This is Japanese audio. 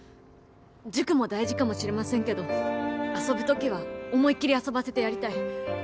塾も大事かもしれませんけど遊ぶときは思いっ切り遊ばせてやりたい。